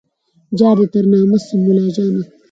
ویل جار دي تر نامه سم مُلاجانه